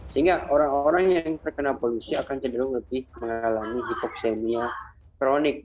sehingga orang orang yang terkena polusi akan cenderung lebih mengalami hipoksemia kronik